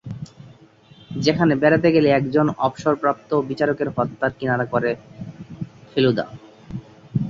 সেখানে বেড়াতে গেলে একজন অবসরপ্রাপ্ত বিচারকের হত্যার কিনারা করে ফেলুদা।